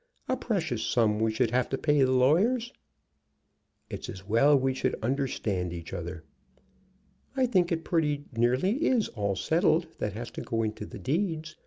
A precious sum we should have to pay the lawyers!" "It's as well we should understand each other." "I think it pretty nearly is all settled that has to go into the deeds.